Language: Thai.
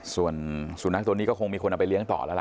ส่วนสุนัขตัวนี้ก็คงมีคนเอาไปเลี้ยงต่อแล้วล่ะ